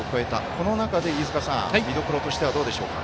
この中で見どころとしてはどうでしょうか。